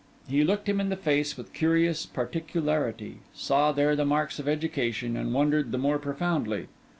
He looked him in the face with curious particularity; saw there the marks of education; and wondered the more profoundly.